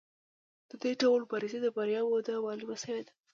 د دې ډول مبارزې د بریا موده معلومه شوې ده.